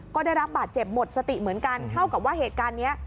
ก็ได้รับบาดเจ็บหมดสติเหมือนกันเท่ากับว่าเหตุการณ์นี้